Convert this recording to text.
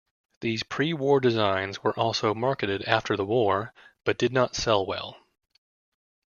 These pre-war designs were also marketed after the war, but did not sell well.